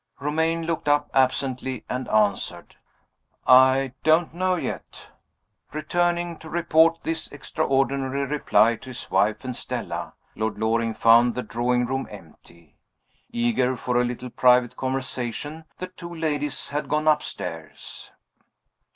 Romayne looked up absently, and answered, "I don't know yet." Returning to report this extraordinary reply to his wife and Stella, Lord Loring found the drawing room empty. Eager for a little private conversation, the two ladies had gone upstairs.